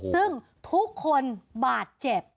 ซึ่งทุกคนบาดเจ็บ